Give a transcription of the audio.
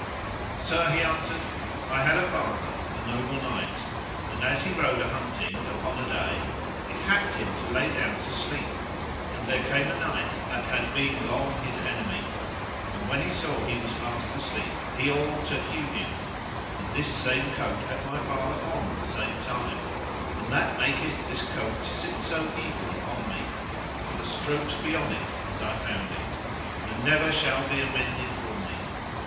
Sir, he answered, I had a father, a noble knight, and as he rode a hunting, upon a day it happed him to lay him down to sleep; and there came a knight that had been long his enemy, and when he saw he was fast asleep he all to hew him; and this same coat had my father on the same time; and that maketh this coat to sit so evil upon me, for the strokes be on it as I found it, and never shall be amended for me.